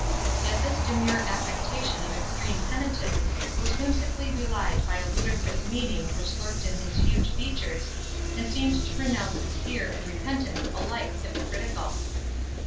Yet this demure affectation of extreme penitence was whimsically belied by a ludicrous meaning which lurked in his huge features, and seemed to pronounce his fear and repentance alike hypocritical.